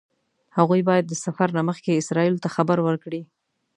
هغوی باید د سفر نه مخکې اسرائیلو ته خبر ورکړي.